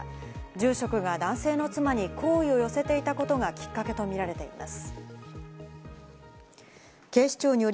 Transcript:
住職が男性の妻に好意を寄せていたことがきっかけとみられています。